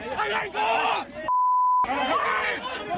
มาดี